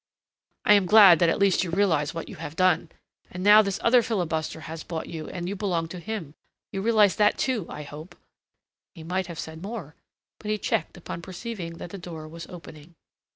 "I am glad that at least you realize what you have done. And now this other filibuster has bought you, and you belong to him. You realize that, too, I hope." He might have said more, but he checked upon perceiving that the door was opening.